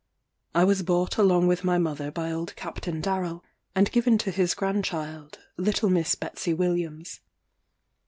I was bought along with my mother by old Captain Darrel, and given to his grandchild, little Miss Betsey Williams.